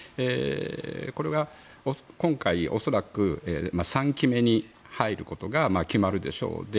これが今回、恐らく３期目に入ることが決まるでしょう。